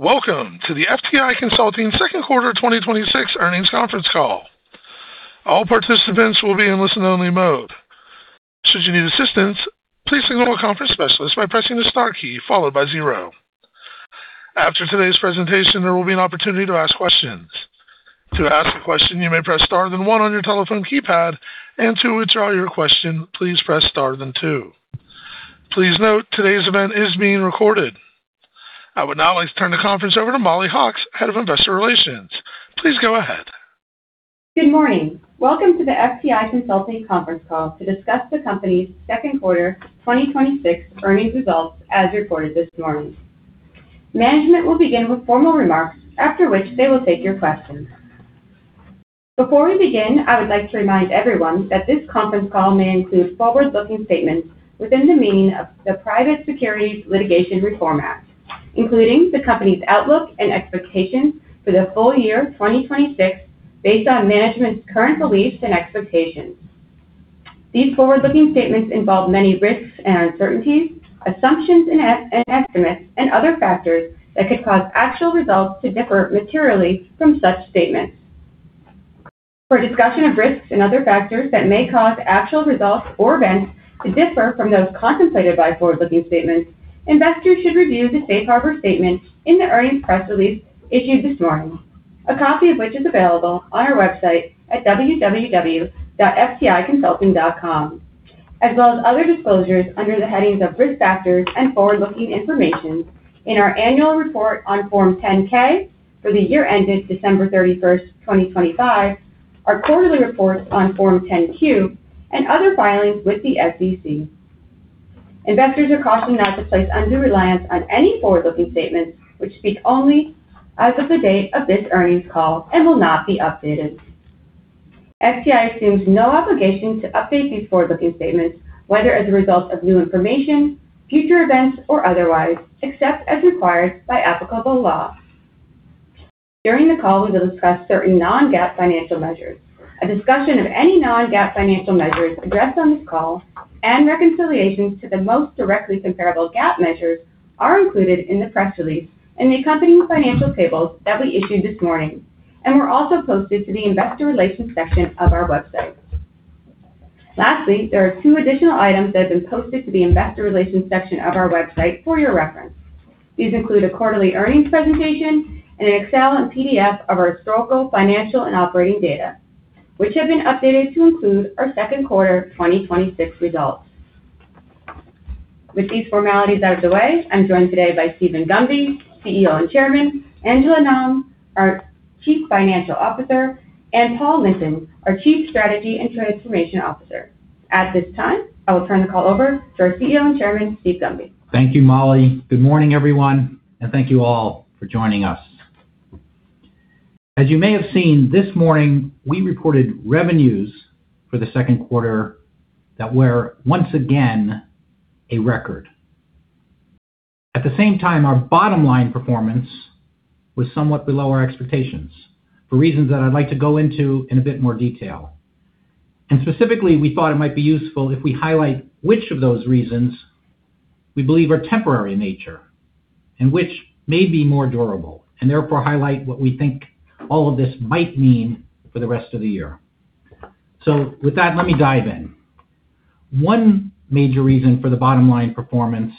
Welcome to the FTI Consulting second quarter 2026 earnings conference call. All participants will be in listen-only mode. Should you need assistance, please signal a conference specialist by pressing the star key followed by zero. After today's presentation, there will be an opportunity to ask questions. To ask a question, you may press star then one on your telephone keypad, and to withdraw your question, please press star then two. Please note, today's event is being recorded. I would now like to turn the conference over to Mollie Hawkes, Head of Investor Relations. Please go ahead. Good morning. Welcome to the FTI Consulting conference call to discuss the company's second quarter 2026 earnings results, as reported this morning. Management will begin with formal remarks, after which they will take your questions. Before we begin, I would like to remind everyone that this conference call may include forward-looking statements within the meaning of the Private Securities Litigation Reform Act, including the company's outlook and expectations for the full year 2026 based on management's current beliefs and expectations. These forward-looking statements involve many risks and uncertainties, assumptions and estimates, and other factors that could cause actual results to differ materially from such statements. For a discussion of risks and other factors that may cause actual results or events to differ from those contemplated by forward-looking statements, investors should review the safe harbor statement in the earnings press release issued this morning, a copy of which is available on our website at www.fticonsulting.com, as well as other disclosures under the headings of Risk Factors and Forward-Looking Information in our annual report on Form 10-K for the year ended December 31st, 2025, our quarterly reports on Form 10-Q, and other filings with the SEC. Investors are cautioned not to place undue reliance on any forward-looking statements which speak only as of the date of this earnings call and will not be updated. FTI assumes no obligation to update these forward-looking statements, whether as a result of new information, future events, or otherwise, except as required by applicable law. During the call, we will discuss certain non-GAAP financial measures. A discussion of any non-GAAP financial measures addressed on this call and reconciliations to the most directly comparable GAAP measures are included in the press release and the accompanying financial tables that we issued this morning and were also posted to the investor relations section of our website. Lastly, there are two additional items that have been posted to the investor relations section of our website for your reference. These include a quarterly earnings presentation and an Excel and PDF of our historical, financial, and operating data, which have been updated to include our second quarter 2026 results. With these formalities out of the way, I'm joined today by Steven Gunby, CEO and Chairman, Angela Nam, our Chief Financial Officer, and Paul Linton, our Chief Strategy and Transformation Officer. At this time, I will turn the call over to our CEO and Chairman, Steven Gunby. Thank you, Mollie. Good morning, everyone, and thank you all for joining us. As you may have seen this morning, we reported revenues for the second quarter that were, once again, a record. At the same time, our bottom-line performance was somewhat below our expectations for reasons that I'd like to go into in a bit more detail. Specifically, we thought it might be useful if we highlight which of those reasons we believe are temporary in nature and which may be more durable, and therefore highlight what we think all of this might mean for the rest of the year. With that, let me dive in. One major reason for the bottom-line performance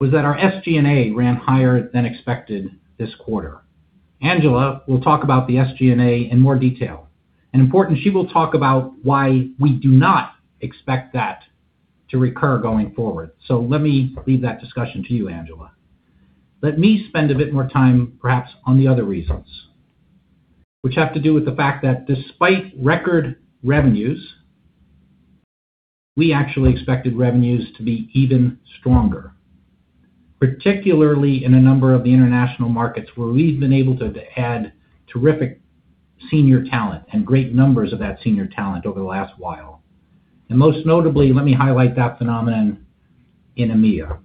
was that our SG&A ran higher than expected this quarter. Angela will talk about the SG&A in more detail, and important, she will talk about why we do not expect that to recur going forward. Let me leave that discussion to you, Angela. Let me spend a bit more time, perhaps, on the other reasons, which have to do with the fact that despite record revenues, we actually expected revenues to be even stronger, particularly in a number of the international markets where we've been able to add terrific senior talent and great numbers of that senior talent over the last while. Most notably, let me highlight that phenomenon in EMEA.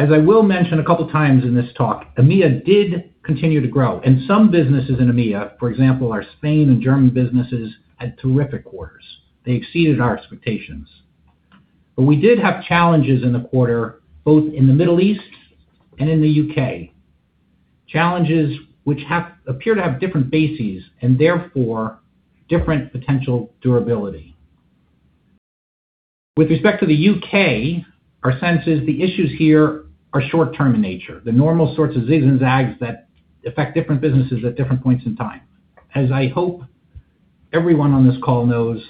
As I will mention a couple times in this talk, EMEA did continue to grow, and some businesses in EMEA, for example, our Spain and German businesses, had terrific quarters. They exceeded our expectations. We did have challenges in the quarter, both in the Middle East and in the U.K. Challenges which appear to have different bases, and therefore different potential durability. With respect to the U.K., our sense is the issues here are short-term in nature, the normal sorts of zigs and zags that affect different businesses at different points in time. As I hope everyone on this call knows,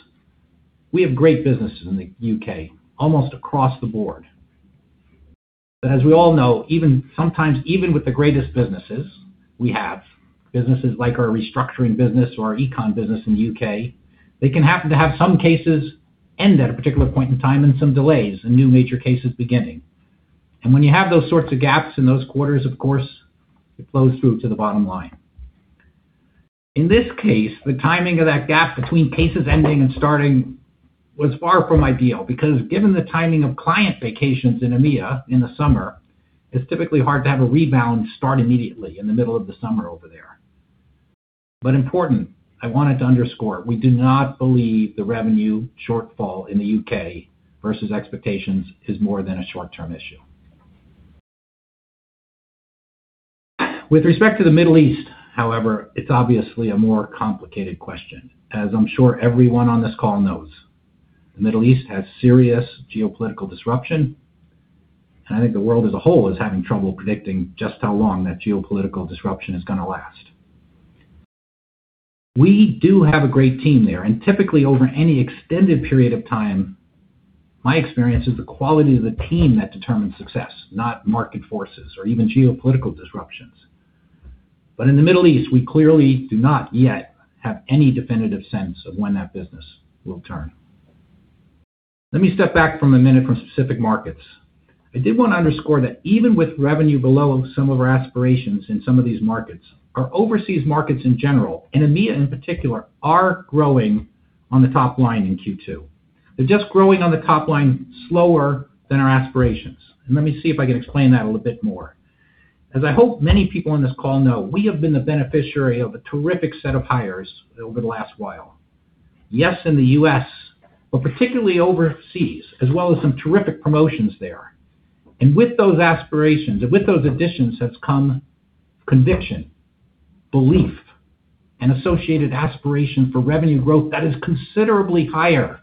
we have great businesses in the U.K. almost across the board. As we all know, sometimes even with the greatest businesses we have, businesses like our restructuring business or our Econ business in the U.K., they can happen to have some cases end at a particular point in time and some delays and new major cases beginning. When you have those sorts of gaps in those quarters, of course, it flows through to the bottom line. In this case, the timing of that gap between cases ending and starting was far from ideal because given the timing of client vacations in EMEA in the summer, it's typically hard to have a rebound start immediately in the middle of the summer over there. Important, I wanted to underscore, we do not believe the revenue shortfall in the U.K. versus expectations is more than a short-term issue. With respect to the Middle East, however, it's obviously a more complicated question, as I'm sure everyone on this call knows. The Middle East has serious geopolitical disruption, and I think the world as a whole is having trouble predicting just how long that geopolitical disruption is going to last. We do have a great team there, and typically over any extended period of time, my experience is the quality of the team that determines success, not market forces or even geopolitical disruptions. In the Middle East, we clearly do not yet have any definitive sense of when that business will turn. Let me step back for a minute from specific markets. I did want to underscore that even with revenue below some of our aspirations in some of these markets, our overseas markets in general, and EMEA in particular, are growing on the top line in Q2. They're just growing on the top line slower than our aspirations. Let me see if I can explain that a little bit more. As I hope many people on this call know, we have been the beneficiary of a terrific set of hires over the last while. Yes, in the U.S., but particularly overseas, as well as some terrific promotions there. With those aspirations and with those additions has come conviction, belief, and associated aspiration for revenue growth that is considerably higher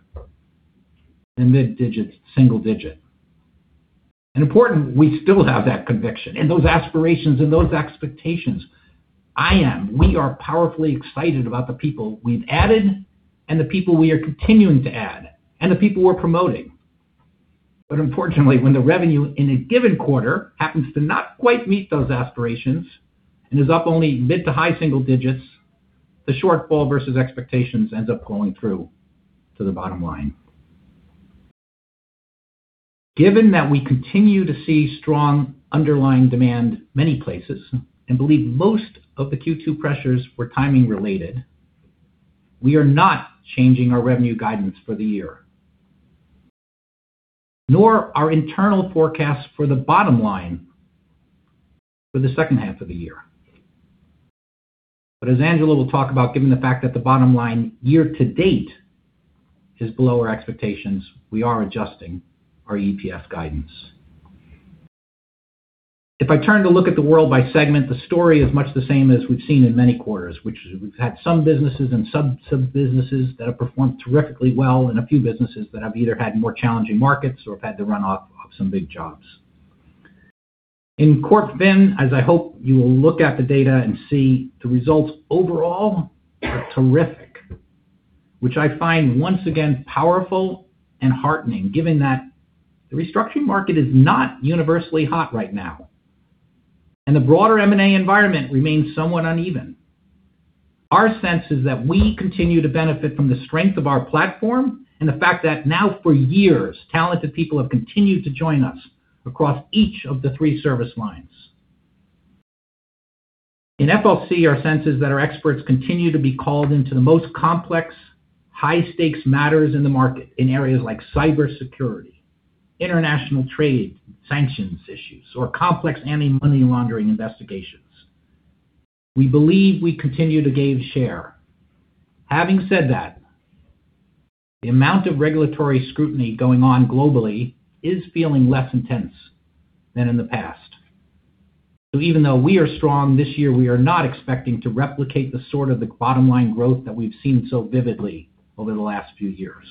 than mid-digits, single digit. Important, we still have that conviction and those aspirations and those expectations. We are powerfully excited about the people we've added and the people we are continuing to add and the people we're promoting. Unfortunately, when the revenue in a given quarter happens to not quite meet those aspirations and is up only mid to high single digits, the shortfall versus expectations ends up going through to the bottom line. Given that we continue to see strong underlying demand many places and believe most of the Q2 pressures were timing related, we are not changing our revenue guidance for the year, nor our internal forecast for the bottom line for the second half of the year. As Angela will talk about, given the fact that the bottom line year to date is below our expectations, we are adjusting our EPS guidance. If I turn to look at the world by segment, the story is much the same as we've seen in many quarters, which is we've had some businesses and sub-businesses that have performed terrifically well and a few businesses that have either had more challenging markets or have had to run off of some big jobs. In CorpFin, as I hope you will look at the data and see the results overall are terrific. Which I find once again, powerful and heartening, given that the restructuring market is not universally hot right now, and the broader M&A environment remains somewhat uneven. Our sense is that we continue to benefit from the strength of our platform and the fact that now for years, talented people have continued to join us across each of the three service lines. In FLC, our sense is that our experts continue to be called into the most complex, high-stakes matters in the market in areas like cybersecurity, international trade, sanctions issues, or complex anti-money laundering investigations. We believe we continue to gain share. Having said that, the amount of regulatory scrutiny going on globally is feeling less intense than in the past. Even though we are strong this year, we are not expecting to replicate the sort of the bottom-line growth that we've seen so vividly over the last few years.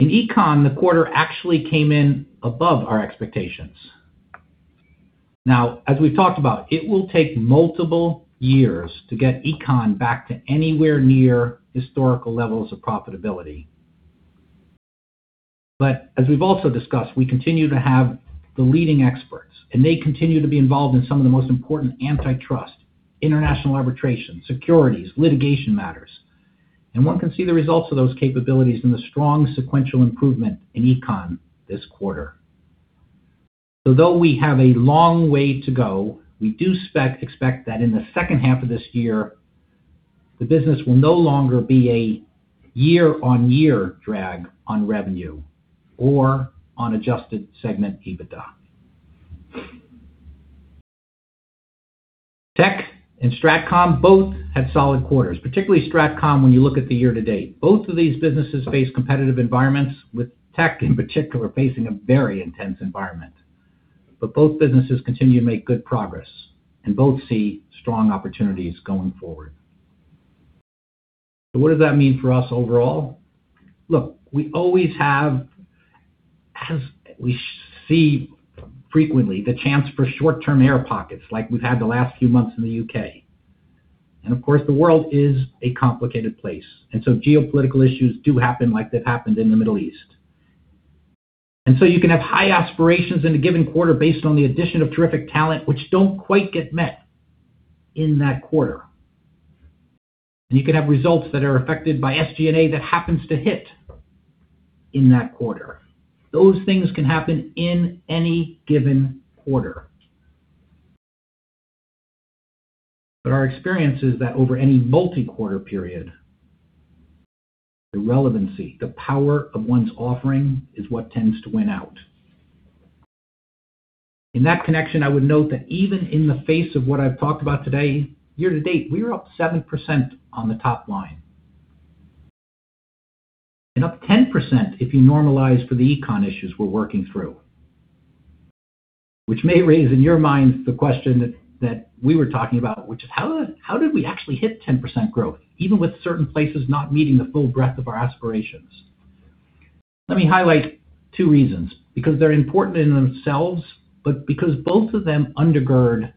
In Econ, the quarter actually came in above our expectations. As we've talked about, it will take multiple years to get Econ back to anywhere near historical levels of profitability. As we've also discussed, we continue to have the leading experts, and they continue to be involved in some of the most important antitrust, international arbitration, securities, litigation matters. One can see the results of those capabilities in the strong sequential improvement in Econ this quarter. Though we have a long way to go, we do expect that in the second half of this year, the business will no longer be a year-on-year drag on revenue or on adjusted segment EBITDA. Tech and StratCom both had solid quarters, particularly StratCom when you look at the year-to-date. Both of these businesses face competitive environments, with Tech in particular, facing a very intense environment. Both businesses continue to make good progress and both see strong opportunities going forward. What does that mean for us overall? Look, we always have, as we see frequently, the chance for short-term air pockets like we've had the last few months in the U.K. Of course, the world is a complicated place, geopolitical issues do happen like they've happened in the Middle East. You can have high aspirations in a given quarter based on the addition of terrific talent, which don't quite get met in that quarter. You can have results that are affected by SG&A that happens to hit in that quarter. Those things can happen in any given quarter. Our experience is that over any multi-quarter period. The relevancy, the power of one's offering is what tends to win out. In that connection, I would note that even in the face of what I've talked about today, year-to-date, we are up 7% on the top line. Up 10% if you normalize for the Econ issues we're working through. Which may raise in your mind the question that we were talking about, which is how did we actually hit 10% growth even with certain places not meeting the full breadth of our aspirations? Let me highlight two reasons, because they're important in themselves, but because both of them undergird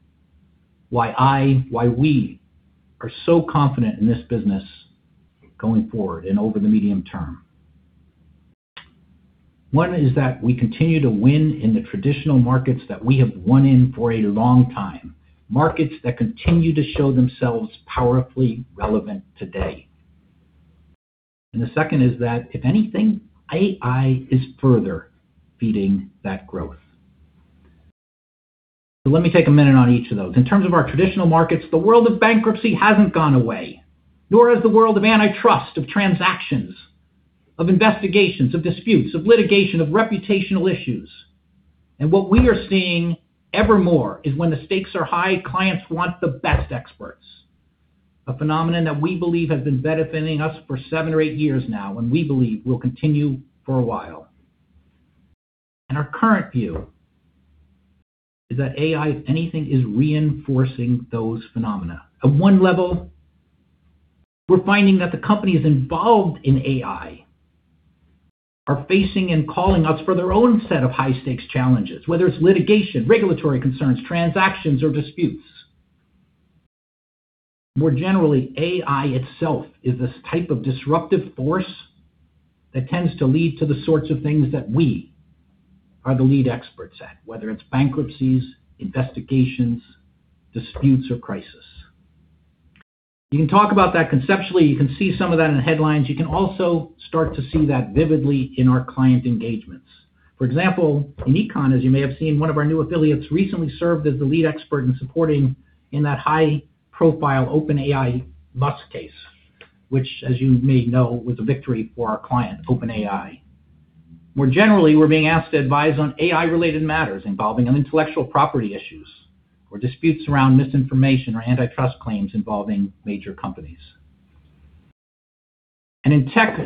why I, why we, are so confident in this business going forward and over the medium term. One is that we continue to win in the traditional markets that we have won in for a long time, markets that continue to show themselves powerfully relevant today. The second is that, if anything, AI is further feeding that growth. Let me take a minute on each of those. In terms of our traditional markets, the world of bankruptcy hasn't gone away, nor has the world of antitrust, of transactions, of investigations, of disputes, of litigation, of reputational issues. What we are seeing evermore is when the stakes are high, clients want the best experts. A phenomenon that we believe has been benefiting us for seven or eight years now, and we believe will continue for a while. Our current view is that AI, if anything, is reinforcing those phenomena. At one level, we're finding that the companies involved in AI are facing and calling us for their own set of high-stakes challenges, whether it's litigation, regulatory concerns, transactions, or disputes. More generally, AI itself is this type of disruptive force that tends to lead to the sorts of things that we are the lead experts at, whether it's bankruptcies, investigations, disputes, or crisis. You can talk about that conceptually. You can see some of that in the headlines. You can also start to see that vividly in our client engagements. For example, in Econ, as you may have seen, one of our new affiliates recently served as the lead expert in supporting in that high-profile OpenAI business case, which, as you may know, was a victory for our client, OpenAI. More generally, we're being asked to advise on AI-related matters involving intellectual property issues or disputes around misinformation or antitrust claims involving major companies. In Tech,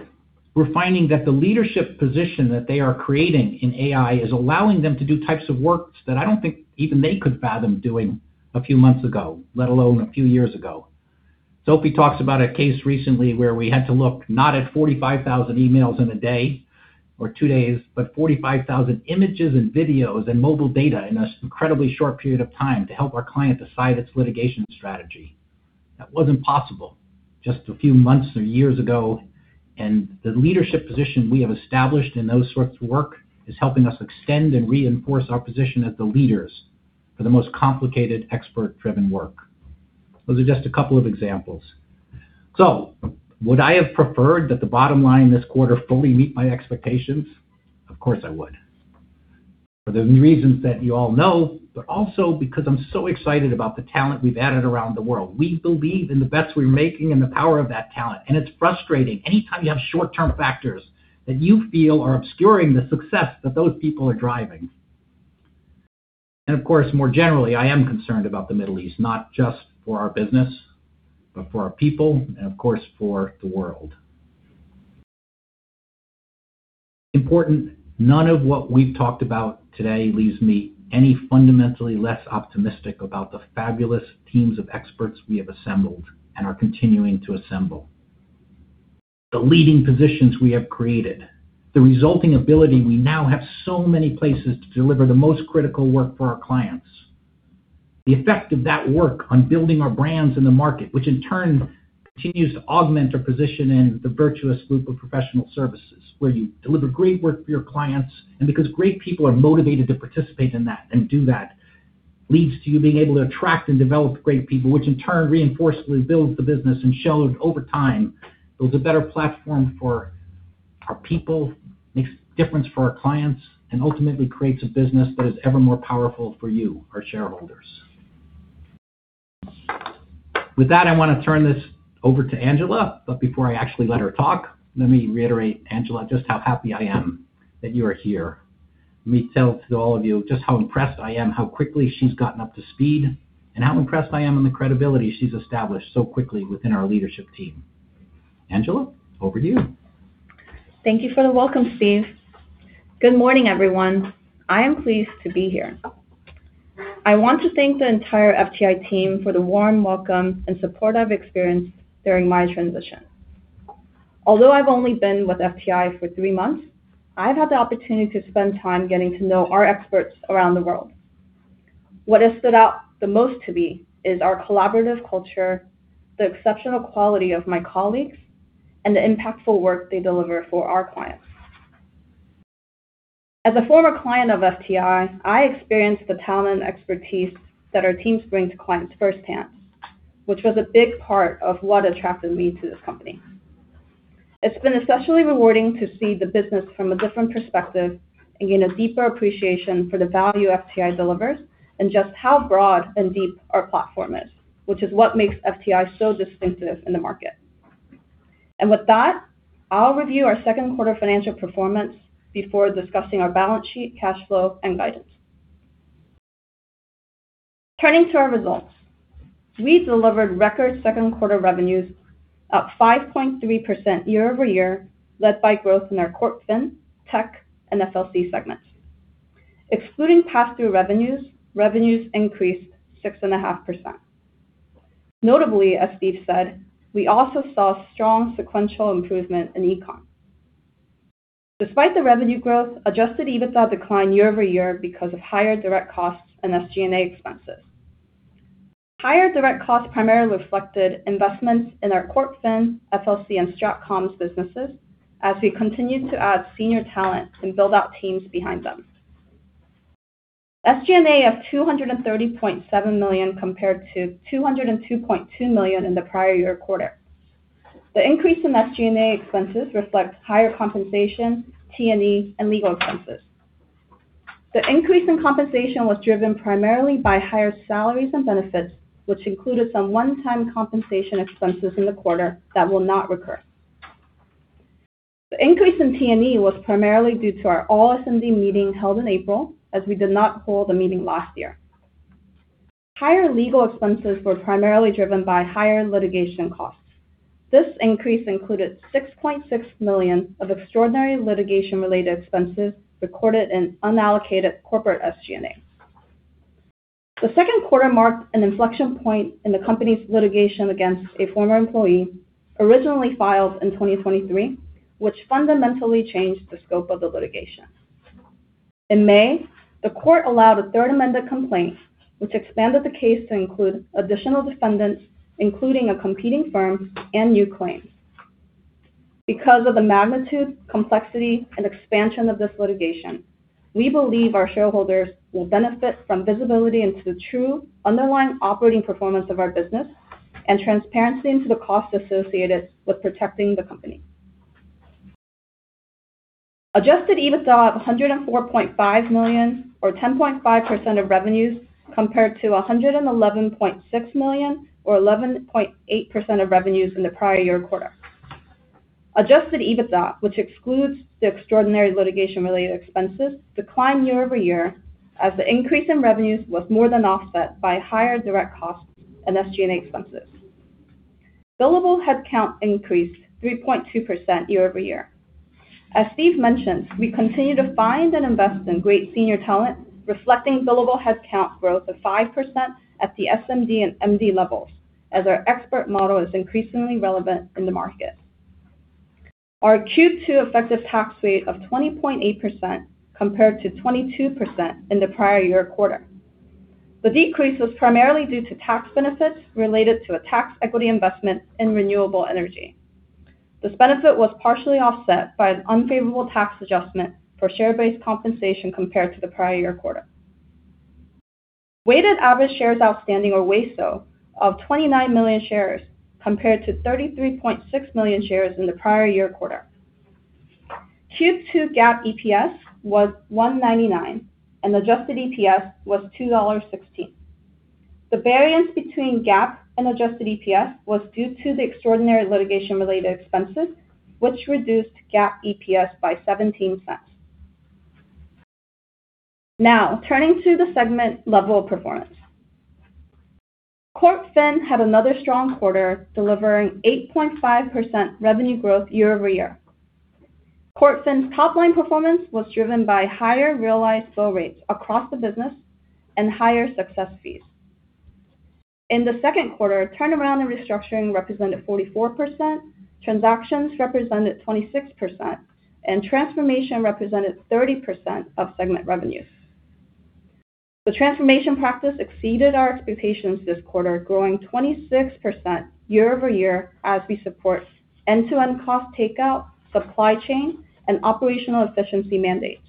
we're finding that the leadership position that they are creating in AI is allowing them to do types of works that I don't think even they could fathom doing a few months ago, let alone a few years ago. Sophie talks about a case recently where we had to look not at 45,000 emails in a day or two days, but 45,000 images and videos and mobile data in an incredibly short period of time to help our client decide its litigation strategy. That wasn't possible just a few months or years ago, and the leadership position we have established in those sorts of work is helping us extend and reinforce our position as the leaders for the most complicated, expert-driven work. Those are just a couple of examples. Would I have preferred that the bottom line this quarter fully meet my expectations? Of course, I would. For the reasons that you all know, but also because I'm so excited about the talent we've added around the world. We believe in the bets we're making and the power of that talent, and it's frustrating anytime you have short-term factors that you feel are obscuring the success that those people are driving. Of course, more generally, I am concerned about the Middle East, not just for our business, but for our people and, of course, for the world. Important, none of what we've talked about today leaves me any fundamentally less optimistic about the fabulous teams of experts we have assembled and are continuing to assemble. The leading positions we have created, the resulting ability we now have so many places to deliver the most critical work for our clients. The effect of that work on building our brands in the market, which in turn continues to augment our position in the virtuous group of professional services, where you deliver great work for your clients, and because great people are motivated to participate in that and do that leads to you being able to attract and develop great people, which in turn reinforce and builds the business and shows over time builds a better platform for our people, makes difference for our clients, and ultimately creates a business that is ever more powerful for you, our shareholders. With that, I want to turn this over to Angela, but before I actually let her talk, let me reiterate, Angela, just how happy I am that you are here. Let me tell to all of you just how impressed I am, how quickly she's gotten up to speed, and how impressed I am in the credibility she's established so quickly within our leadership team. Angela, over to you. Thank you for the welcome, Steve. Good morning, everyone. I am pleased to be here. I want to thank the entire FTI team for the warm welcome and support I've experienced during my transition. Although I've only been with FTI for three months, I've had the opportunity to spend time getting to know our experts around the world. What has stood out the most to me is our collaborative culture, the exceptional quality of my colleagues, and the impactful work they deliver for our clients. As a former client of FTI, I experienced the talent and expertise that our teams bring to clients firsthand, which was a big part of what attracted me to this company. It's been especially rewarding to see the business from a different perspective, and gain a deeper appreciation for the value FTI delivers and just how broad and deep our platform is, which is what makes FTI so distinctive in the market. With that, I'll review our second quarter financial performance before discussing our balance sheet, cash flow, and guidance. Turning to our results, we delivered record second quarter revenues up 5.3% year-over-year, led by growth in our CorpFin, Tech, and FLC segments. Excluding pass-through revenues increased 6.5%. Notably, as Steve said, we also saw strong sequential improvement in Econ. Despite the revenue growth, adjusted EBITDA declined year-over-year because of higher direct costs and SG&A expenses. Higher direct costs primarily reflected investments in our CorpFin, FLC, and StratCom businesses as we continued to add senior talent and build out teams behind them. SG&A of $230.7 million compared to $202.2 million in the prior year quarter. The increase in SG&A expenses reflects higher compensation, T&E, and legal expenses. The increase in compensation was driven primarily by higher salaries and benefits, which included some one-time compensation expenses in the quarter that will not recur. The increase in T&E was primarily due to our all-SMD meeting held in April, as we did not hold a meeting last year. Higher legal expenses were primarily driven by higher litigation costs. This increase included $6.6 million of extraordinary litigation-related expenses recorded in unallocated corporate SG&A. The second quarter marked an inflection point in the company's litigation against a former employee, originally filed in 2023, which fundamentally changed the scope of the litigation. In May, the court allowed a third amended complaint, which expanded the case to include additional defendants, including a competing firm and new claims. Of the magnitude, complexity, and expansion of this litigation, we believe our shareholders will benefit from visibility into the true underlying operating performance of our business and transparency into the cost associated with protecting the company. Adjusted EBITDA of $104.5 million or 10.5% of revenues compared to $111.6 million or 11.8% of revenues in the prior year quarter. Adjusted EBITDA, which excludes the extraordinary litigation-related expenses, declined year-over-year as the increase in revenues was more than offset by higher direct costs and SG&A expenses. Billable headcount increased 3.2% year-over-year. As Steve mentioned, we continue to find and invest in great senior talent, reflecting billable headcount growth of 5% at the SMD and MD levels as our expert model is increasingly relevant in the market. Our Q2 effective tax rate of 20.8% compared to 22% in the prior year quarter. The decrease was primarily due to tax benefits related to a tax equity investment in renewable energy. This benefit was partially offset by an unfavorable tax adjustment for share-based compensation compared to the prior year quarter. Weighted average shares outstanding or WASO of 29 million shares compared to 33.6 million shares in the prior year quarter. Q2 GAAP EPS was $1.99 and adjusted EPS was $2.16. The variance between GAAP and adjusted EPS was due to the extraordinary litigation-related expenses, which reduced GAAP EPS by $0.17. Turning to the segment level performance. CorpFin had another strong quarter, delivering 8.5% revenue growth year-over-year. CorpFin's top-line performance was driven by higher realized bill rates across the business and higher success fees. In the second quarter, turnaround and restructuring represented 44%, transactions represented 26%, and transformation represented 30% of segment revenues. The transformation practice exceeded our expectations this quarter, growing 26% year-over-year as we support end-to-end cost takeout, supply chain, and operational efficiency mandates.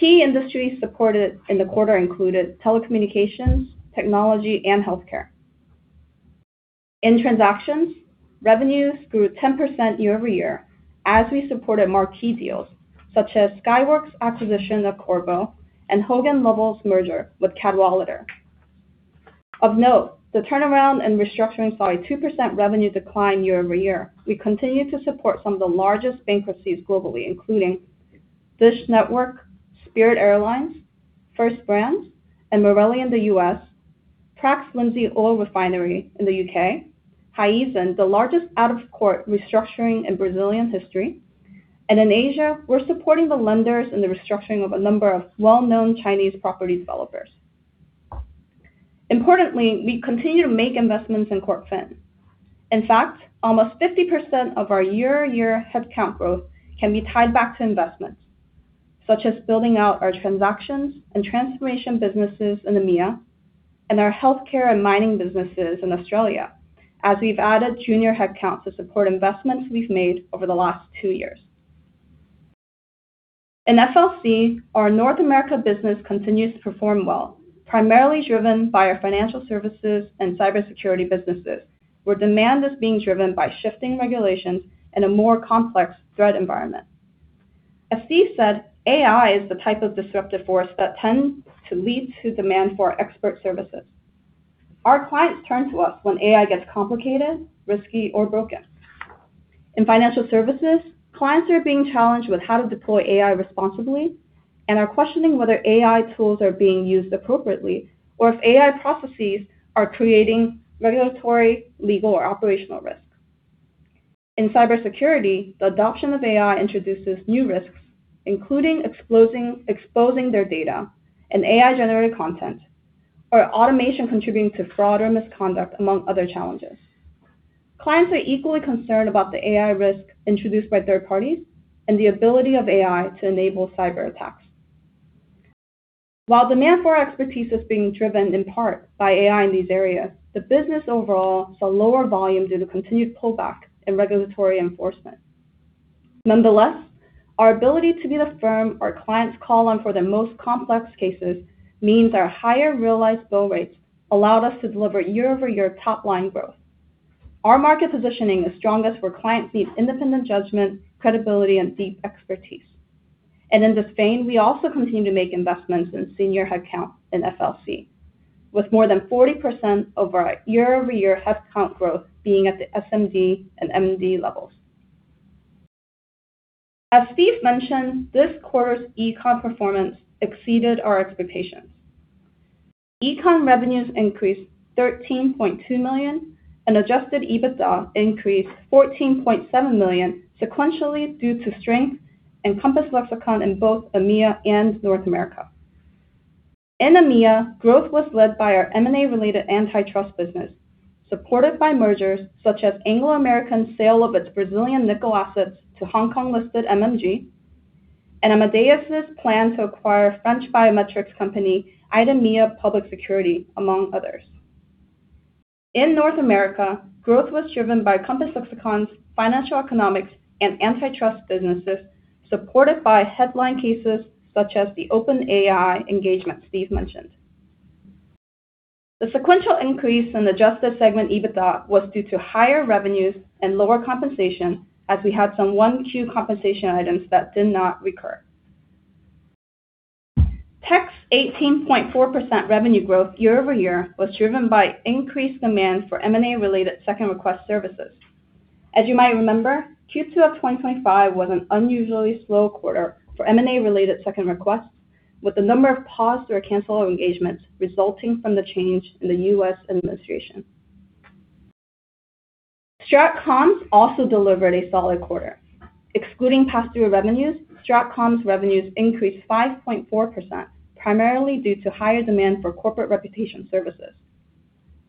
Key industries supported in the quarter included telecommunications, technology, and healthcare. In transactions, revenues grew 10% year-over-year as we supported marquee deals such as Skyworks' acquisition of Qorvo and Hogan Lovells' merger with Cadwalader. Of note, the turnaround and restructuring saw a 2% revenue decline year-over-year. We continue to support some of the largest bankruptcies globally, including Dish Network, Spirit Airlines, First Brands, and Marelli in the U.S., Prax Lindsey Oil Refinery in the U.K., Raízen, the largest out-of-court restructuring in Brazilian history, and in Asia, we're supporting the lenders in the restructuring of a number of well-known Chinese property developers. Importantly, we continue to make investments in CorpFin. In fact, almost 50% of our year-on-year headcount growth can be tied back to investments, such as building out our transactions and transformation businesses in the MEA and our healthcare and mining businesses in Australia as we've added junior headcount to support investments we've made over the last two years. In FLC, our North America business continues to perform well, primarily driven by our financial services and cybersecurity businesses where demand is being driven by shifting regulations and a more complex threat environment. As Steve said, AI is the type of disruptive force that tends to lead to demand for expert services. Our clients turn to us when AI gets complicated, risky, or broken. In financial services, clients are being challenged with how to deploy AI responsibly and are questioning whether AI tools are being used appropriately, or if AI processes are creating regulatory, legal, or operational risks. Cybersecurity, the adoption of AI introduces new risks, including exposing their data and AI-generated content, or automation contributing to fraud or misconduct, among other challenges. Clients are equally concerned about the AI risk introduced by third parties and the ability of AI to enable cyberattacks. While demand for our expertise is being driven in part by AI in these areas, the business overall saw lower volume due to continued pullback in regulatory enforcement. Nonetheless, our ability to be the firm our clients call on for their most complex cases means our higher realized bill rates allowed us to deliver year-over-year top-line growth. Our market positioning is strongest where clients need independent judgment, credibility, and deep expertise. In this vein, we also continue to make investments in senior headcount in FLC, with more than 40% of our year-over-year headcount growth being at the SMD and MD levels. As Steve mentioned, this quarter's Econ performance exceeded our expectations. Econ revenues increased $13.2 million and adjusted EBITDA increased $14.7 million sequentially due to strength in Compass Lexecon in both EMEA and North America. In EMEA, growth was led by our M&A-related antitrust business, supported by mergers such as Anglo American's sale of its Brazilian nickel assets to Hong Kong-listed MMG and Amadeus' plan to acquire French biometrics company, IDEMIA Public Security, among others. In North America, growth was driven by Compass Lexecon's financial economics and antitrust businesses, supported by headline cases such as the OpenAI engagement Steve mentioned. The sequential increase in adjusted segment EBITDA was due to higher revenues and lower compensation, as we had some 1Q compensation items that did not recur. Technology 18.4% revenue growth year-over-year was driven by increased demand for M&A-related second request services. As you might remember, Q2 of 2025 was an unusually slow quarter for M&A-related second requests, with a number of paused or canceled engagements resulting from the change in the U.S. administration. StratCom also delivered a solid quarter. Excluding pass-through revenues, StratCom's revenues increased 5.4%, primarily due to higher demand for corporate reputation services.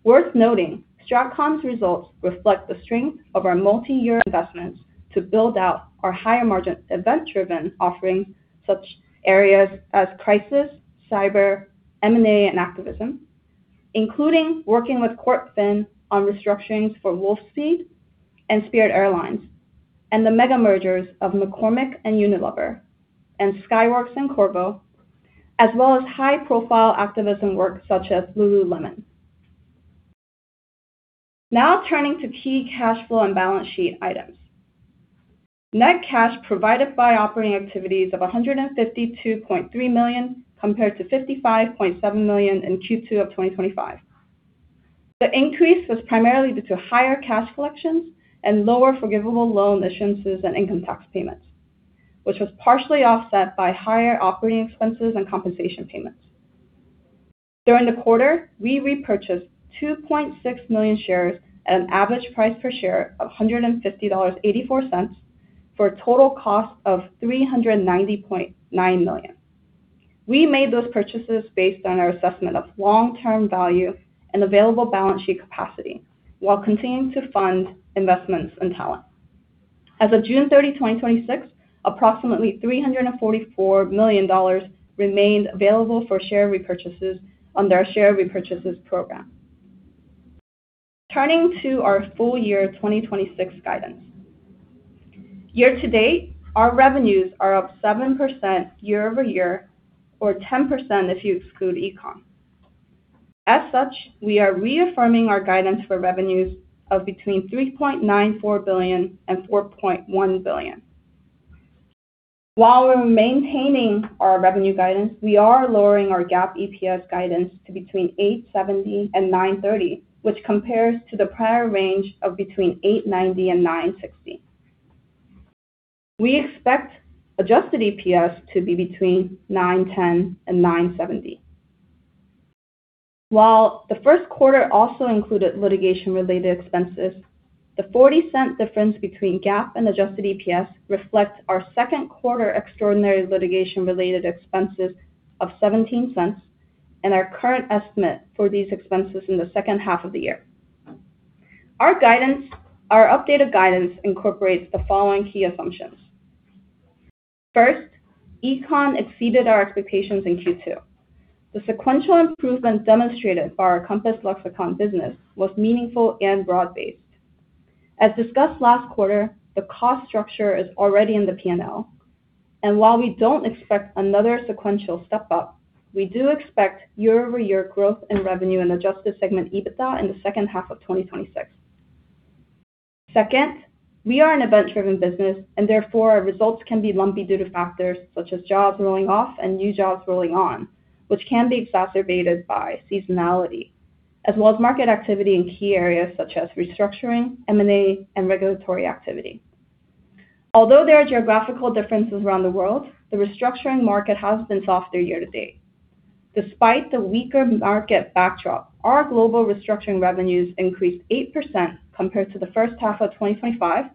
Worth noting, StratCom's results reflect the strength of our multi-year investments to build out our higher-margin event-driven offering such areas as crisis, cyber, M&A, and activism, including working with CorpFin on restructurings for Wolfspeed and Spirit Airlines and the mega mergers of McCormick and Unilever, and Skyworks and Qorvo, as well as high-profile activism work such as Lululemon. Turning to key cash flow and balance sheet items. Net cash provided by operating activities of $152.3 million, compared to $55.7 million in Q2 of 2025. The increase was primarily due to higher cash collections and lower forgivable loan issuances and income tax payments, which was partially offset by higher operating expenses and compensation payments. During the quarter, we repurchased 2.6 million shares at an average price per share of $150.84, for a total cost of $390.9 million. We made those purchases based on our assessment of long-term value and available balance sheet capacity while continuing to fund investments in talent. As of June 30, 2026, approximately $344 million remained available for share repurchases under our share repurchases program. Turning to our full year 2026 guidance. Year to date, our revenues are up 7% year-over-year or 10% if you exclude Econ. As such, we are reaffirming our guidance for revenues of between $3.94 billion and $4.1 billion. While we're maintaining our revenue guidance, we are lowering our GAAP EPS guidance to between $8.70 and $9.30, which compares to the prior range of between $8.90 and $9.60. We expect adjusted EPS to be between $9.10 and $9.70. While the first quarter also included litigation-related expenses, the $0.40 difference between GAAP and adjusted EPS reflects our second quarter extraordinary litigation-related expenses of $0.17 and our current estimate for these expenses in the second half of the year. Our updated guidance incorporates the following key assumptions. First, Econ exceeded our expectations in Q2. The sequential improvement demonstrated by our Compass Lexecon business was meaningful and broad-based. As discussed last quarter, the cost structure is already in the P&L. While we don't expect another sequential step-up, we do expect year-over-year growth in revenue and adjusted segment EBITDA in the second half of 2026. Second, we are an event-driven business and therefore our results can be lumpy due to factors such as jobs rolling off and new jobs rolling on, which can be exacerbated by seasonality as well as market activity in key areas such as restructuring, M&A, and regulatory activity. Although there are geographical differences around the world, the restructuring market has been softer year to date. Despite the weaker market backdrop, our global restructuring revenues increased 8% compared to the first half of 2025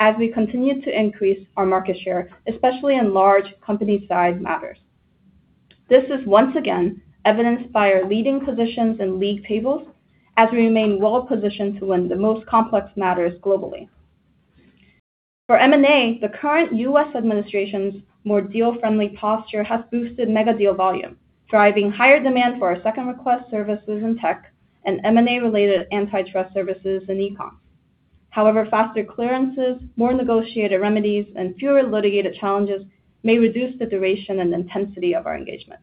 as we continued to increase our market share, especially in large company size matters. This is once again evidenced by our leading positions in league tables as we remain well-positioned to win the most complex matters globally. For M&A, the current U.S. administration's more deal-friendly posture has boosted mega deal volume, driving higher demand for our second request services in tech and M&A-related antitrust services in Econ. Faster clearances, more negotiated remedies, and fewer litigated challenges may reduce the duration and intensity of our engagements.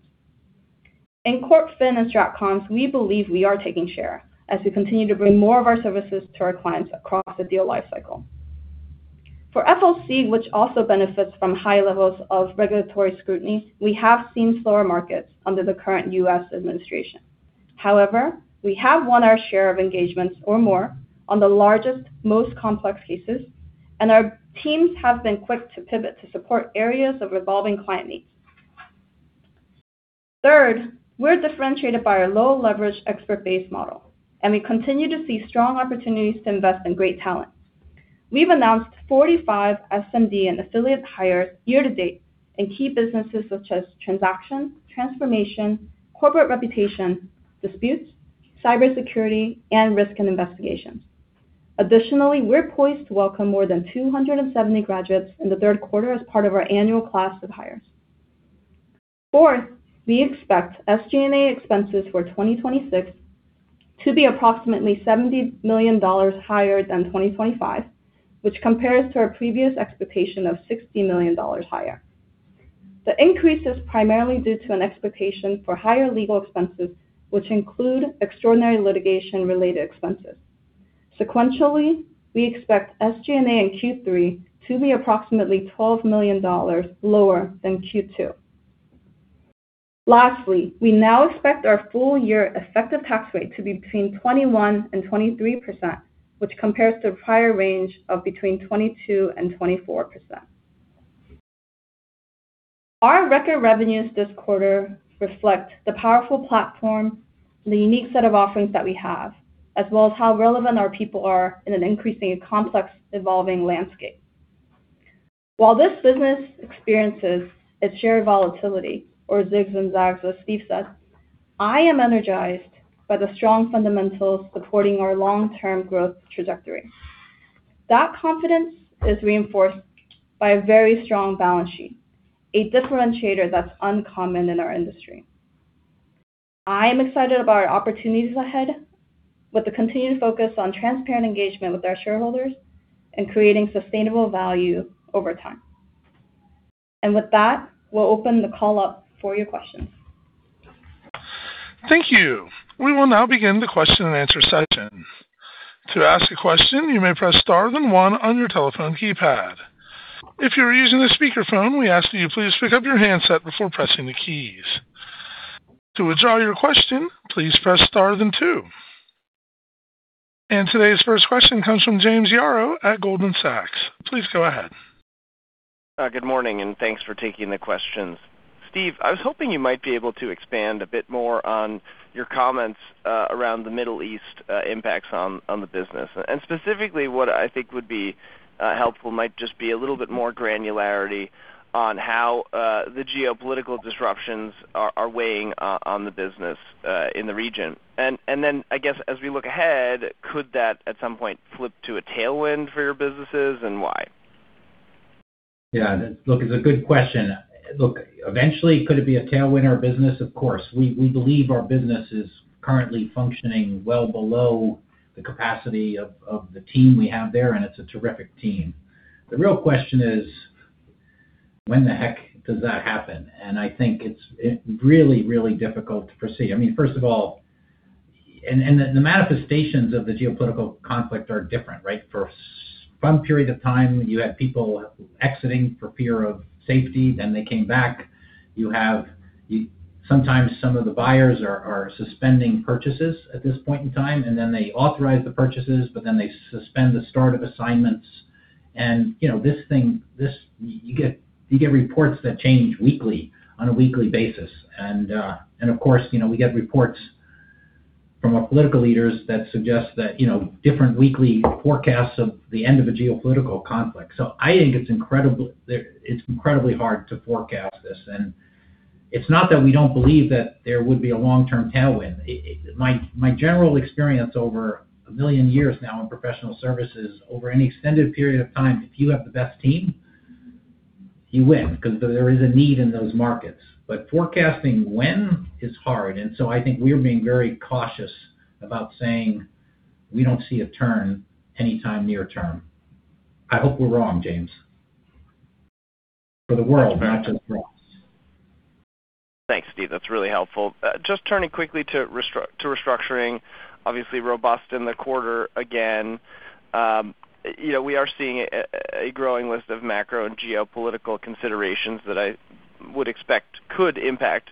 In CorpFin and StratCom, we believe we are taking share as we continue to bring more of our services to our clients across the deal lifecycle. For FLC, which also benefits from high levels of regulatory scrutiny, we have seen slower markets under the current U.S. administration. We have won our share of engagements or more on the largest, most complex cases, and our teams have been quick to pivot to support areas of evolving client needs. Third, we're differentiated by our low-leverage, expert-based model, and we continue to see strong opportunities to invest in great talent. We've announced 45 SMD and affiliate hires year to date in key businesses such as transactions, transformation, corporate reputation, disputes, cybersecurity, and risk and investigations. Additionally, we're poised to welcome more than 270 graduates in the third quarter as part of our annual class of hires. Fourth, we expect SG&A expenses for 2026 to be approximately $70 million higher than 2025, which compares to our previous expectation of $60 million higher. The increase is primarily due to an expectation for higher legal expenses, which include extraordinary litigation-related expenses. Sequentially, we expect SG&A in Q3 to be approximately $12 million lower than Q2. Lastly, we now expect our full year effective tax rate to be between 21% and 23%, which compares to a prior range of between 22% and 24%. Our record revenues this quarter reflect the powerful platform and the unique set of offerings that we have, as well as how relevant our people are in an increasingly complex, evolving landscape. While this business experiences its share of volatility or zigs and zags, as Steve said, I am energized by the strong fundamentals supporting our long-term growth trajectory. That confidence is reinforced by a very strong balance sheet, a differentiator that's uncommon in our industry. I am excited about our opportunities ahead with the continued focus on transparent engagement with our shareholders and creating sustainable value over time. With that, we'll open the call up for your questions. Thank you. We will now begin the question and answer session. To ask a question, you may press star then one on your telephone keypad. If you're using a speakerphone, we ask that you please pick up your handset before pressing the keys. To withdraw your question, please press star then two. Today's first question comes from James Yaro at Goldman Sachs. Please go ahead. Good morning, and thanks for taking the questions. Steve, I was hoping you might be able to expand a bit more on your comments around the Middle East impacts on the business. Specifically, what I think would be helpful might just be a little bit more granularity on how the geopolitical disruptions are weighing on the business in the region. Then I guess as we look ahead, could that at some point flip to a tailwind for your businesses, and why? It's a good question. Eventually, could it be a tailwind in our business? Of course. We believe our business is currently functioning well below the capacity of the team we have there, and it's a terrific team. The real question is, when the heck does that happen? I think it's really difficult to foresee. The manifestations of the geopolitical conflict are different, right? For some period of time, you had people exiting for fear of safety, then they came back. You have sometimes some of the buyers are suspending purchases at this point in time, and then they authorize the purchases, but then they suspend the start of assignments. You get reports that change weekly on a weekly basis. Of course, we get reports from our political leaders that suggest that different weekly forecasts of the end of a geopolitical conflict. I think it's incredibly hard to forecast this. It's not that we don't believe that there would be a long-term tailwind. My general experience over a million years now in professional services over any extended period of time, if you have the best team, you win because there is a need in those markets. Forecasting when is hard. I think we are being very cautious about saying we don't see a turn anytime near term. I hope we're wrong, James, for the world, not just for us. Thanks, Steve. That's really helpful. Just turning quickly to restructuring, obviously robust in the quarter again. We are seeing a growing list of macro and geopolitical considerations that I would expect could impact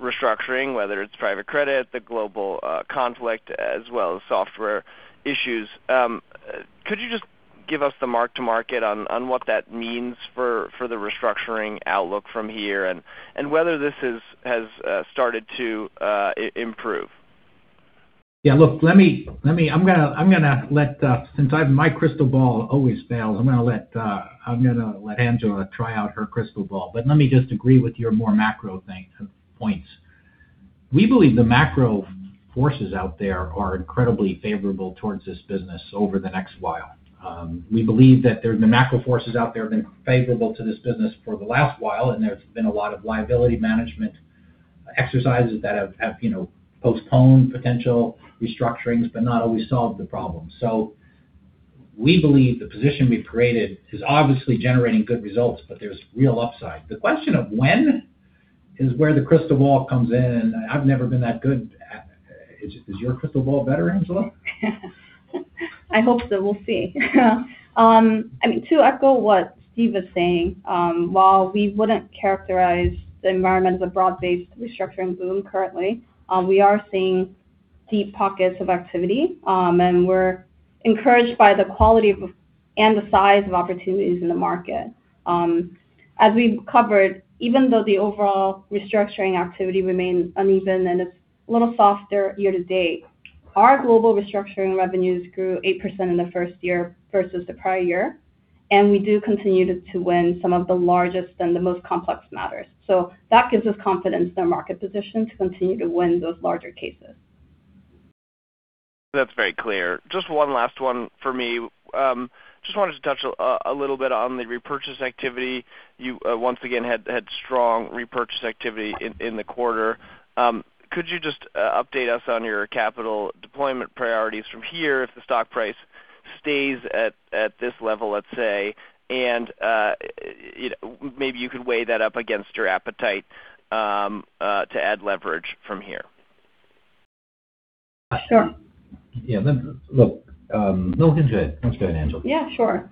restructuring, whether it's private credit, the global conflict, as well as software issues. Could you just give us the mark to market on what that means for the restructuring outlook from here and whether this has started to improve? Since my crystal ball always fails, I'm going to let Angela try out her crystal ball. Let me just agree with your more macro points. We believe the macro forces out there are incredibly favorable towards this business over the next while. We believe that the macro forces out there have been favorable to this business for the last while, and there's been a lot of liability management exercises that have postponed potential restructurings but not always solved the problem. We believe the position we've created is obviously generating good results, but there's real upside. The question of when is where the crystal ball comes in, and I've never been that good at-- Is your crystal ball better, Angela? I hope so. We'll see. To echo what Steve was saying, while we wouldn't characterize the environment as a broad-based restructuring boom currently, we are seeing deep pockets of activity, and we're encouraged by the quality and the size of opportunities in the market. As we've covered, even though the overall restructuring activity remains uneven and it's a little softer year to date, our global restructuring revenues grew 8% in the first year versus the prior year, and we do continue to win some of the largest and the most complex matters. That gives us confidence in our market position to continue to win those larger cases. That's very clear. Just one last one for me. Just wanted to touch a little bit on the repurchase activity. You, once again, had strong repurchase activity in the quarter. Could you just update us on your capital deployment priorities from here if the stock price stays at this level, let's say? Maybe you could weigh that up against your appetite to add leverage from here. Sure. Yeah. No, Angela, go ahead. Yeah, sure.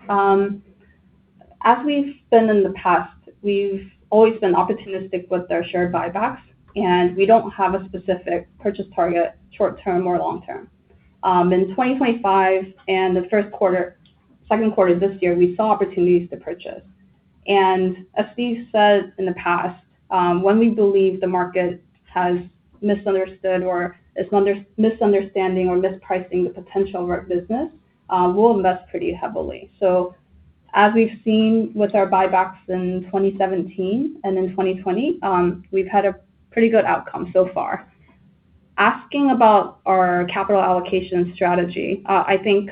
As we've been in the past, we've always been opportunistic with our share buybacks, and we don't have a specific purchase target, short term or long term. In 2025 and the second quarter this year, we saw opportunities to purchase. As Steve said in the past, when we believe the market has misunderstood or is misunderstanding or mispricing the potential of our business, we'll invest pretty heavily. As we've seen with our buybacks in 2017 and in 2020, we've had a pretty good outcome so far. Asking about our capital allocation strategy, I think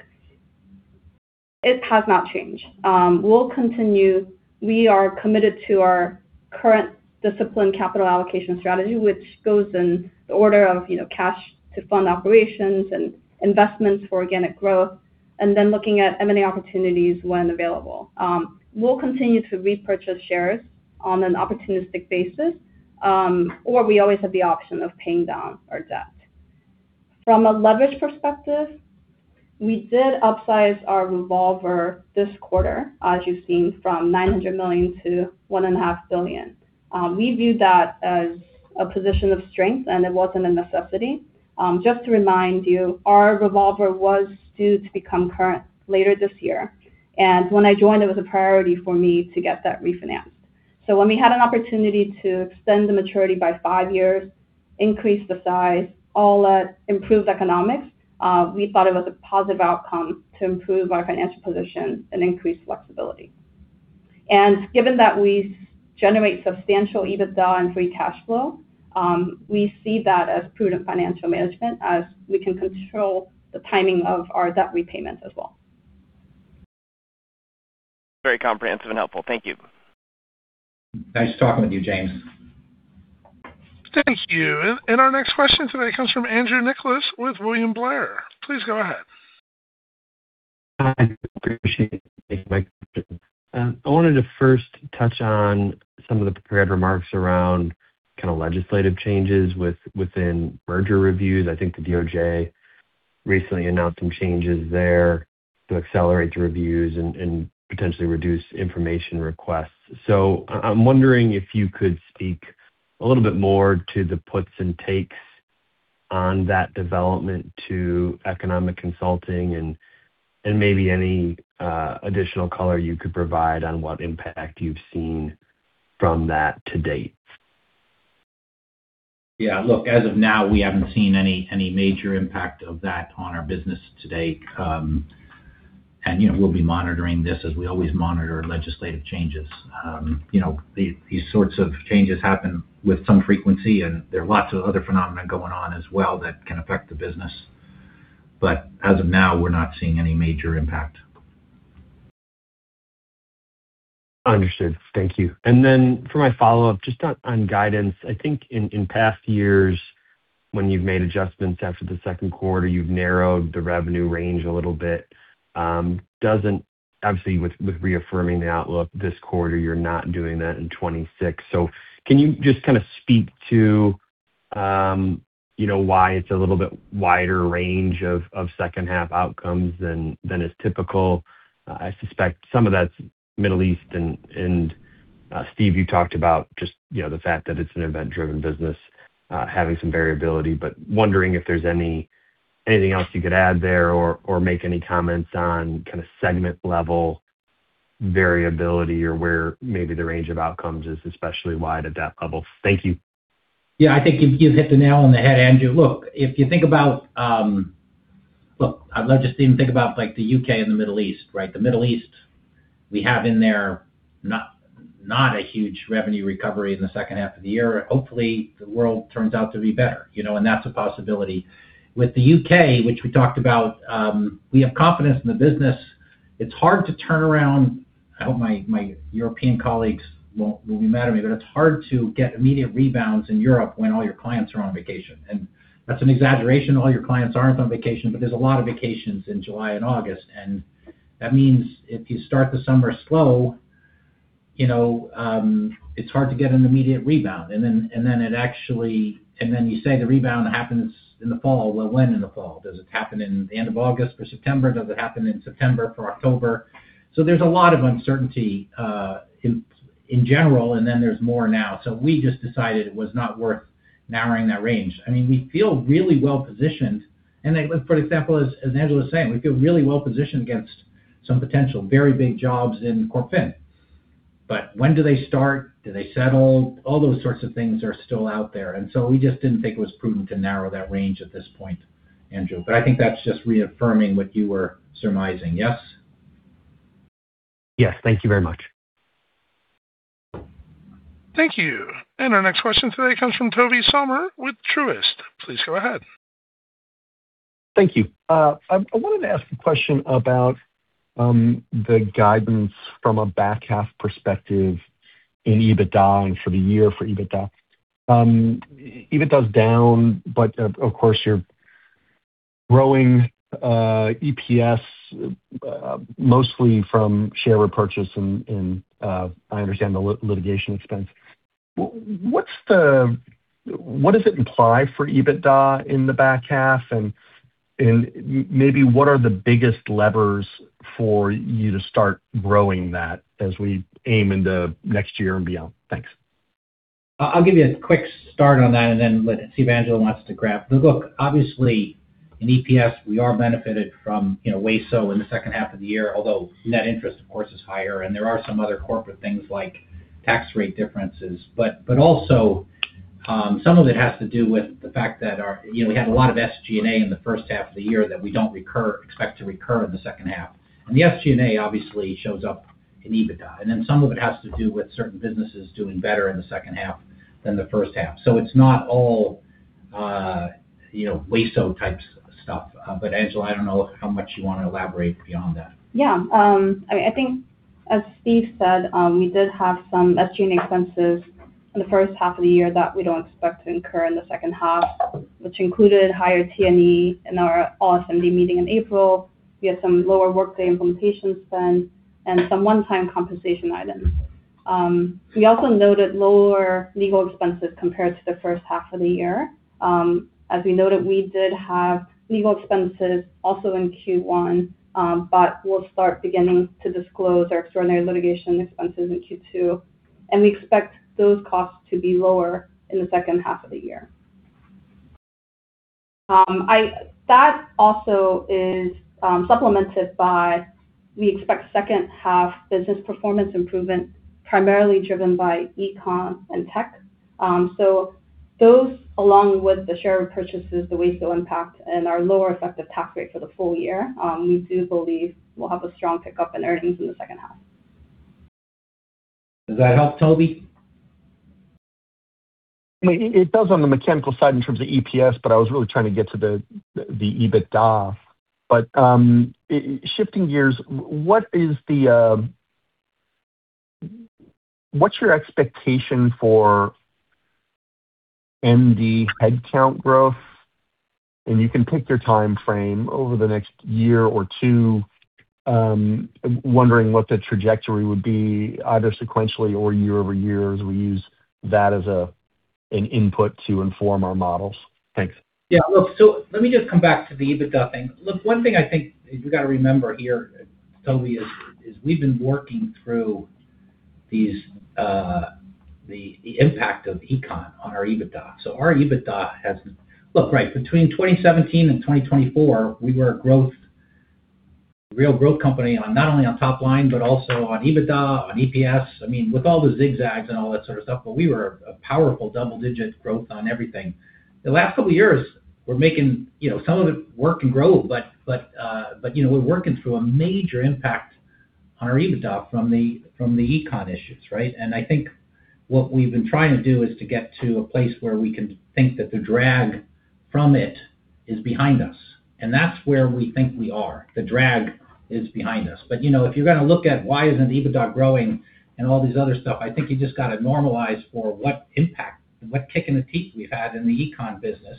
it has not changed. We are committed to our current disciplined capital allocation strategy, which goes in the order of cash to fund operations and investments for organic growth, then looking at M&A opportunities when available. We'll continue to repurchase shares on an opportunistic basis. We always have the option of paying down our debt. From a leverage perspective, we did upsize our revolver this quarter, as you've seen, from $900 million to $1.5 billion. We view that as a position of strength, and it wasn't a necessity. Just to remind you, our revolver was due to become current later this year, and when I joined, it was a priority for me to get that refinanced. When we had an opportunity to extend the maturity by five years, increase the size, all that improves economics, we thought it was a positive outcome to improve our financial position and increase flexibility. Given that we generate substantial EBITDA and free cash flow, we see that as prudent financial management as we can control the timing of our debt repayments as well. Very comprehensive and helpful. Thank you. Nice talking with you, James. Thank you. Our next question today comes from Andrew Nicholas with William Blair. Please go ahead. Hi. I appreciate you taking my question. I wanted to first touch on some of the prepared remarks around kind of legislative changes within merger reviews. I think the DOJ recently announced some changes there to accelerate the reviews and potentially reduce information requests. I'm wondering if you could speak a little bit more to the puts and takes on that development to Economic Consulting and maybe any additional color you could provide on what impact you've seen from that to date. Yeah. Look, as of now, we haven't seen any major impact of that on our business to date. We'll be monitoring this as we always monitor legislative changes. These sorts of changes happen with some frequency, and there are lots of other phenomena going on as well that can affect the business. As of now, we're not seeing any major impact. Understood. Thank you. Then for my follow-up, just on guidance, I think in past years when you've made adjustments after the second quarter, you've narrowed the revenue range a little bit. Obviously, with reaffirming the outlook this quarter, you're not doing that in 2026. Can you just kind of speak to why it's a little bit wider range of second half outcomes than is typical? I suspect some of that's Middle East and Steve, you talked about just the fact that it's an event-driven business having some variability, but wondering if there's anything else you could add there or make any comments on kind of segment-level variability or where maybe the range of outcomes is especially wide at that level. Thank you. Yeah, I think you've hit the nail on the head, Andrew. Look, I'd love to just even think about the U.K. and the Middle East, right? The Middle East, we have in there not a huge revenue recovery in the second half of the year. Hopefully, the world turns out to be better, and that's a possibility. With the U.K., which we talked about, we have confidence in the business. I hope my European colleagues won't be mad at me, but it's hard to get immediate rebounds in Europe when all your clients are on vacation. That's an exaggeration, all your clients aren't on vacation, but there's a lot of vacations in July and August, and that means if you start the summer slow, it's hard to get an immediate rebound. Then you say the rebound happens in the fall. Well, when in the fall? Does it happen in the end of August or September? Does it happen in September or October? There's a lot of uncertainty in general, and then there's more now. We just decided it was not worth narrowing that range. We feel really well-positioned and for example, as Angela was saying, we feel really well-positioned against some potential very big jobs in Corporate Finance. When do they start? Do they settle? All those sorts of things are still out there, we just didn't think it was prudent to narrow that range at this point, Andrew. I think that's just reaffirming what you were surmising. Yes? Yes. Thank you very much. Thank you. Our next question today comes from Tobey Sommer with Truist. Please go ahead. Thank you. I wanted to ask a question about the guidance from a back half perspective in EBITDA and for the year for EBITDA. EBITDA is down, of course, you're growing EPS mostly from share repurchase and I understand the litigation expense. What does it imply for EBITDA in the back half? Maybe what are the biggest levers for you to start growing that as we aim into next year and beyond? Thanks. I'll give you a quick start on that and then see if Angela wants to grab. Look, obviously in EPS, we are benefited from WASO in the second half of the year, although net interest, of course, is higher, and there are some other corporate things like tax rate differences. Also some of it has to do with the fact that we had a lot of SG&A in the first half of the year that we don't expect to recur in the second half. The SG&A obviously shows up in EBITDA. Then some of it has to do with certain businesses doing better in the second half than the first half. It's not all WASO type stuff. Angela, I don't know how much you want to elaborate beyond that. Yeah. I think as Steve said, we did have some SG&A expenses in the first half of the year that we don't expect to incur in the second half, which included higher T&E in our all-SMD meeting in April. We had some lower Workday implementation spend and some one-time compensation items. We also noted lower legal expenses compared to the first half of the year. As we noted, we did have legal expenses also in Q1, but we'll start beginning to disclose our extraordinary litigation expenses in Q2, and we expect those costs to be lower in the second half of the year. That also is supplemented by. We expect second half business performance improvement, primarily driven by Econ and Tech. Those, along with the share repurchases, the WASO impact, and our lower effective tax rate for the full year, we do believe we'll have a strong pickup in earnings in the second half. Does that help, Tobey? It does on the mechanical side in terms of EPS, but I was really trying to get to the EBITDA. Shifting gears, what is your expectation for MD headcount growth? You can pick your time frame over the next one or two years. I am wondering what the trajectory would be, either sequentially or year-over-year, as we use that as an input to inform our models. Thanks. Let me just come back to the EBITDA thing. One thing I think we got to remember here, Tobey, is we have been working through the impact of Econ on our EBITDA. Right, between 2017 and 2024, we were a real growth company not only on top line, but also on EBITDA, on EPS. With all the zigzags and all that sort of stuff, we were a powerful double-digit growth on everything. The last couple of years, we are making some of it work and grow, but we are working through a major impact on our EBITDA from the Econ issues, right? I think what we have been trying to do is to get to a place where we can think that the drag from it is behind us, and that is where we think we are. The drag is behind us. If you are going to look at why is not EBITDA growing and all this other stuff, I think you just got to normalize for what impact and what kick in the teeth we have had in the Econ business,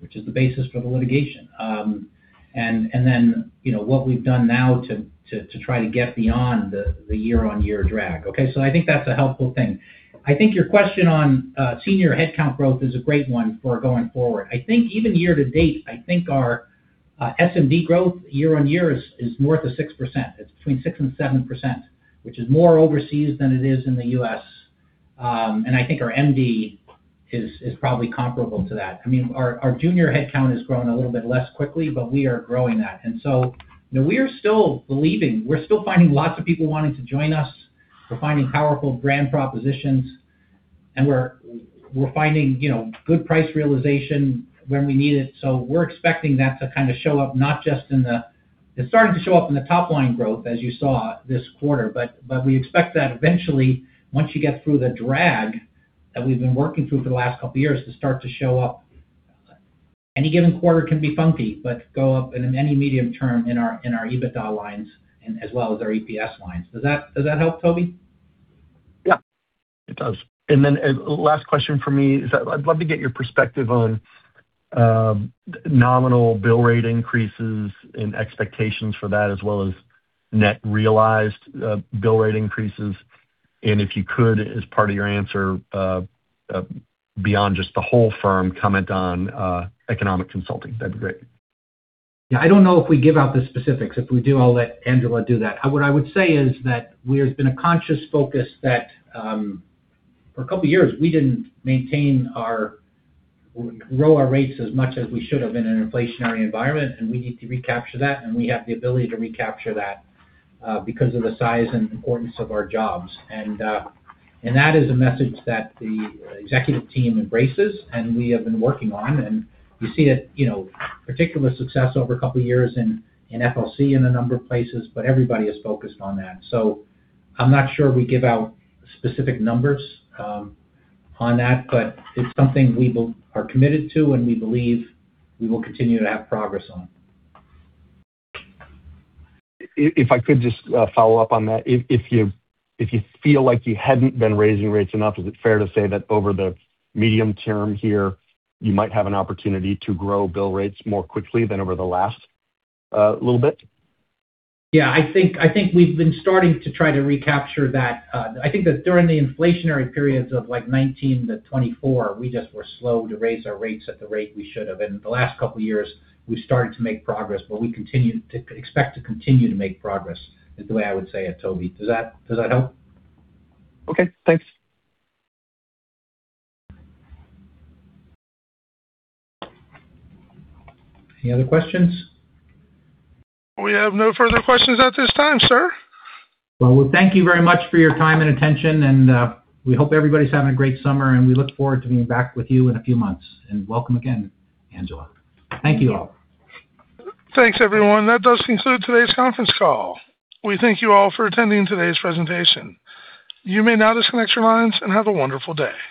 which is the basis for the litigation. Then, what we have done now to try to get beyond the year-on-year drag. Okay? I think that is a helpful thing. I think your question on senior headcount growth is a great one for going forward. I think even year-to-date, I think our SMD growth year-on-year is north of 6%. It is between 6% and 7%, which is more overseas than it is in the U.S. I think our MD is probably comparable to that. Our junior headcount has grown a little bit less quickly, but we are growing that. We are still believing, we are still finding lots of people wanting to join us. We are finding powerful brand propositions, and we are finding good price realization when we need it. We are expecting that to show up. It is starting to show up in the top-line growth as you saw this quarter, but we expect that eventually, once you get through the drag that we have been working through for the last couple of years to start to show up. Any given quarter can be funky, but go up in any medium term in our EBITDA lines and as well as our EPS lines. Does that help, Tobey? Yeah, it does. Last question from me is that I'd love to get your perspective on nominal bill rate increases and expectations for that as well as net realized bill rate increases. If you could as part of your answer, beyond just the whole firm comment on Economic Consulting, that'd be great. Yeah. I don't know if we give out the specifics. If we do, I'll let Angela do that. What I would say is that there's been a conscious focus that for a couple of years we didn't grow our rates as much as we should have in an inflationary environment. We need to recapture that. We have the ability to recapture that because of the size and importance of our jobs. That is a message that the executive team embraces and we have been working on, and you see it particular success over a couple of years in FLC in a number of places, but everybody is focused on that. I'm not sure we give out specific numbers on that, but it's something we are committed to and we believe we will continue to have progress on. If I could just follow up on that. If you feel like you hadn't been raising rates enough, is it fair to say that over the medium term here, you might have an opportunity to grow bill rates more quickly than over the last little bit? Yeah, I think we've been starting to try to recapture that. I think that during the inflationary periods of like 2019 to 2024, we just were slow to raise our rates at the rate we should have. In the last couple of years, we started to make progress, but we continue to expect to continue to make progress is the way I would say it, Tobey. Does that help? Okay, thanks. Any other questions? We have no further questions at this time, sir. Well, thank you very much for your time and attention. We hope everybody's having a great summer. We look forward to being back with you in a few months. Welcome again, Angela. Thank you all. Thanks everyone. That does conclude today's conference call. We thank you all for attending today's presentation. You may now disconnect your lines and have a wonderful day.